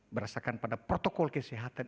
berasakan pada protokol kesehatan